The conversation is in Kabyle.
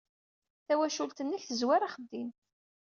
Tawacult-nnek tezwar axeddim.